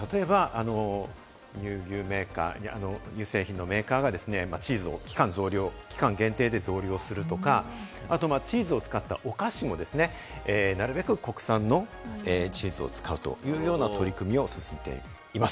こういうふうに例えば、乳製品のメーカーがですね、チーズを期間限定で増量するとか、あと、まぁ、チーズを使ったお菓子も、なるべく国産のチーズを使うというような取り組みを進めています。